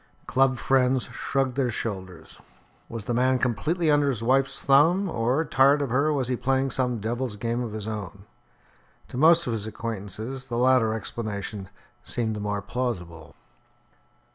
Club friends shrugged their shoulders. Was the man completely under his wife's thumb; or, tired of her, was he playing some devil's game of his own? To most of his acquaintances the latter explanation seemed the more plausible.